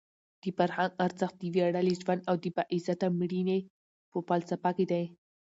د فرهنګ ارزښت د ویاړلي ژوند او د باعزته مړینې په فلسفه کې دی.